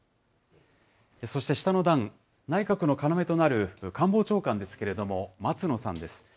そして下の段、内閣の要となる官房長官ですけれども、松野さんです。